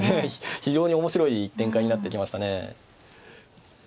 非常に面白い展開になってきましたね。